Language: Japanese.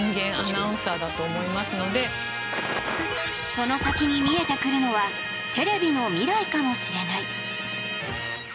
その先に見えてくるのはテレビの未来かもしれない。